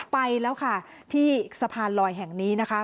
ไปแล้วค่ะที่สะพานลอยแห่งนี้นะคะ